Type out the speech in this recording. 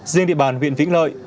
riêng địa bàn huyện vĩnh lợi